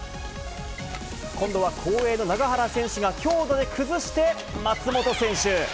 今度は後衛の永原選手が強打で崩して、松本選手。